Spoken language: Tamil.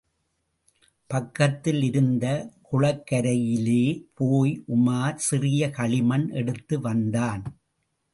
பக்கத்தில் இருந்த குளக்கரையிலே போய் உமார் சிறிது களிமண் எடுத்து வந்தான்.